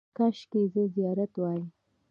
– کاشکې زه زیارت وای.